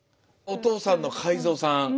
お父さんの海蔵さん。